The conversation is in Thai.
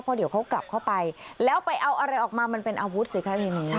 เพราะเดี๋ยวเขากลับเข้าไปแล้วไปเอาอะไรออกมามันเป็นอาวุธสิคะทีนี้